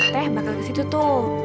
teh bakal kesitu tuh